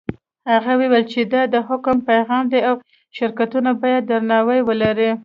هغه وویل چې دا د حکم پیغام دی او شرکتونه باید درناوی ولري.